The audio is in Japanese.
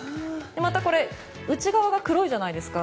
またこれ内側が黒いじゃないですか。